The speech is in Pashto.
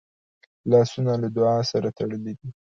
لاسونه له دعا سره تړلي دي